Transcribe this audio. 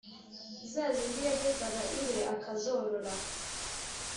(za zindi yagezaga iwe akazorora)